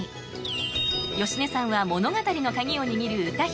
芳根さんは物語の鍵を握る歌姫